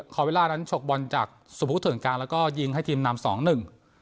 คอวิล่านั้นฉกบอลจากสุพุทธเถื่อนกลางแล้วก็ยิงให้ทีมนำสองหนึ่ง